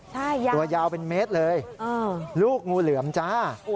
ตัวยาวเป็นเมตรเลยลูกงูเหลื่อมจ้า